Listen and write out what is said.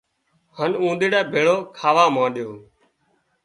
هانَ اونۮيڙا ڀيڙو کاوا مانڏيو